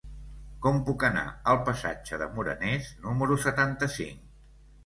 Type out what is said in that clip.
Com puc anar al passatge de Morenes número setanta-cinc?